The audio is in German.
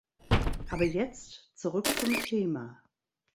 Aber jetzt zurück zum Thema.